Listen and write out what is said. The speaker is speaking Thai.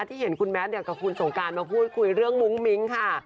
ที่เห็นคุณแมทกับคุณสงการมาพูดคุยเรื่องมุ้งมิ้งค่ะ